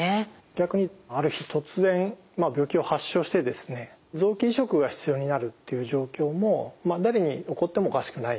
逆にある日突然病気を発症してですね臓器移植が必要になるっていう状況も誰に起こってもおかしくないんですよね。